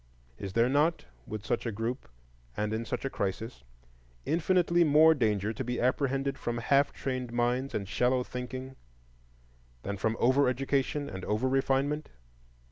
Is there not, with such a group and in such a crisis, infinitely more danger to be apprehended from half trained minds and shallow thinking than from over education and over refinement?